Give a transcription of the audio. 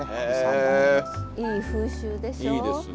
いい風習でしょ。